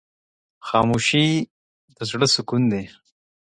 خاموشي، د زړه سکون دی.